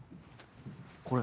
これ。